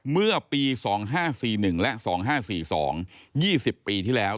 เมื่อปี๒๕๔๑และ๒๕๔๒๒๐ปีที่แล้ว